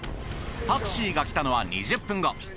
タクシーが来たのは２０分後。